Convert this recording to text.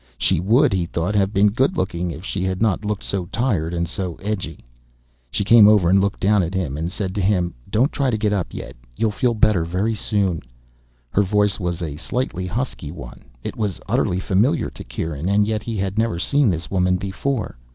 She would, he thought, have been good looking if she had not looked so tired and so edgy. She came over and looked down at him and said to him, "Don't try to get up yet. You'll feel better very soon." Her voice was a slightly husky one. It was utterly familiar to Kieran, and yet he had never seen this woman before.